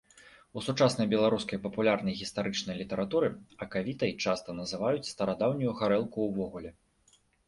У сучаснай беларускай папулярнай гістарычнай літаратуры акавітай часта называюць старадаўнюю гарэлку ўвогуле.